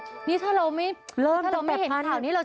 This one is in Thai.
โอ้โฮนี่ถ้าเราไม่เห็นข่าวนี้เราจะรู้ไหมเนี่ย